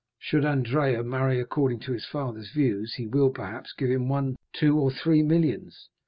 Should Andrea marry according to his father's views, he will, perhaps, give him one, two, or three millions.